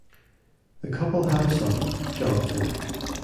The couple had a son, Jonathan.